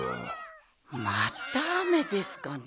またあめですかねぇ。